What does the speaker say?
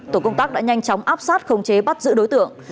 tổ công tác đã nhanh chóng áp sát không chế bắt giữ đối tượng